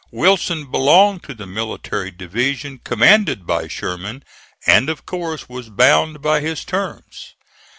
Wilson belonged to the military division commanded by Sherman, and of course was bound by his terms.